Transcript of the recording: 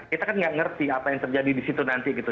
kita kan nggak ngerti apa yang terjadi di situ nanti gitu